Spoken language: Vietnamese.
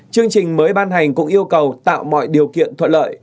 chương trình mới ban hành cũng yêu cầu tạo mọi điều kiện thuận lợi